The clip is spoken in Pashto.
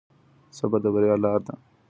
صبر د بريا لاره ده.